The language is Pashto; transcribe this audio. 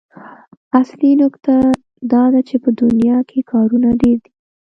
اصلي نکته دا ده چې په دنيا کې کارونه ډېر دي.